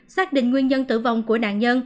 xác định nguyên nhân tử vong của nạn nhân